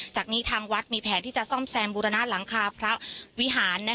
จากนี้ทางวัดมีแผนที่จะซ่อมแซมบูรณะหลังคาพระวิหาร